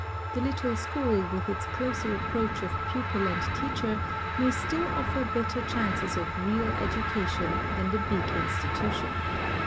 The little school with its closer approach of pupil and teacher may still offer better chances of real education than the big institution.